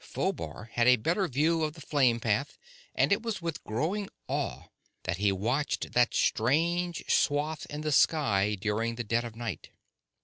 Phobar had a better view of the flame path, and it was with growing awe that he watched that strange swathe in the sky during the dead of night.